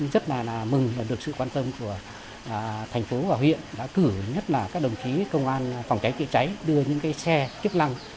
rất là mừng được sự quan tâm của thành phố và huyện đã cử nhất là các đồng chí công an phòng cháy kịa cháy đưa những cái xe tiếp lăng